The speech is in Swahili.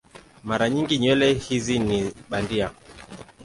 Mara nyingi nywele hizi ni bandia.